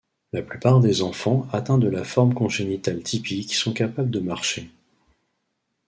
La plupart des enfants atteints de la forme congénitale typique sont capables de marcher.